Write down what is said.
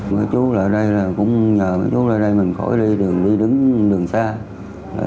mấy chú lại đây cũng nhờ mấy chú lại đây mình khỏi đi đường đi đứng đường xa